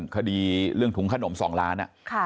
คดีเรื่องถุงขนม๒ล้าน